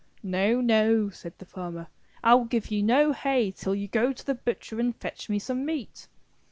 "No, no," says the farmer, "I'll give you no hay till you go to the butcher and fetch me some meat."